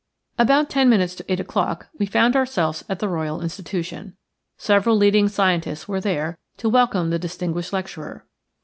About ten minutes to eight o'clock we found ourselves at the Royal Institution. Several leading scientists were there to welcome the distinguished lecturer.